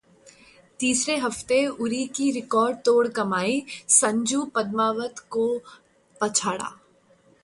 तीसरे हफ्ते उरी की रिकॉर्डतोड़ कमाई, संजू, पद्मावत को पछाड़ा